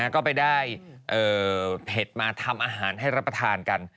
ก็ไปได้เผ็ดมาทำอาหารให้รับประทานกัน